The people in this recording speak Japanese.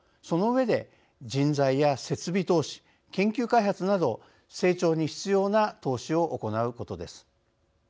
その上で人材や設備投資研究開発など成長に必要な投資を行うことです。